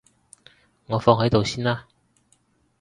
我放喺度先啦